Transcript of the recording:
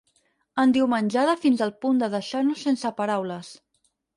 Endiumenjada fins al punt de deixar-nos sense paraules.